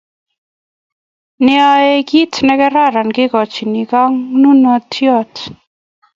Neyaei kit nekararan kekochini konunotiot,